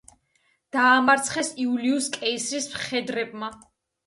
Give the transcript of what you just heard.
დაამარცხეს იულიუს კეისრის მხედრებმა.